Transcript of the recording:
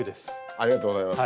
ありがとうございます。